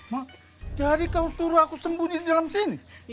mak jadi kau suruh aku sembunyi di dalam sini